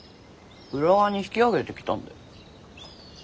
浦賀に引き揚げてきたんだよ。